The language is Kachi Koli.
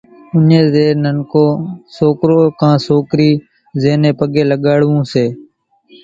اُوڃان زين ننڪو سوڪرو ڪان سوڪري زين نين پڳين لڳاڙوون سي۔